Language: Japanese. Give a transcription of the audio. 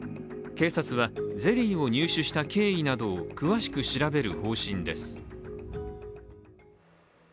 警察はゼリーを入手した経緯などを詳しく調べる方針です。